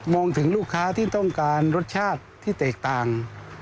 ถึงลูกค้าที่ต้องการรสชาติที่แตกต่าง